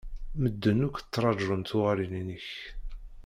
Medden akk ttrajun tuɣalin-inek.